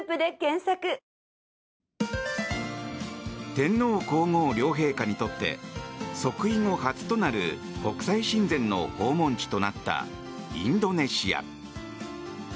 天皇・皇后両陛下にとって即位後初となる国際親善の訪問地となったインドネシア。